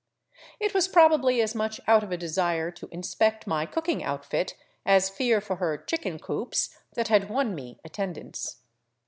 It was probably as much out of a desire to inspect my cooking outfit as fear for her chicken coops that had won me attendance.